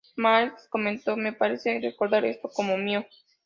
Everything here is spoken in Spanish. McCartney comento: "Me parece recordar esto como mío...